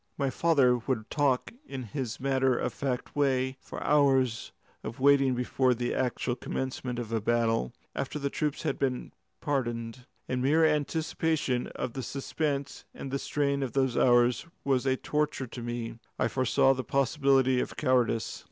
My father would talk in his matter of fact way of the hours of waiting before the actual commencement of a battle, after the troops had been paraded. The mere anticipation of the suspense and the strain of those hours was a torture to me. I foresaw the possibility of cowardice.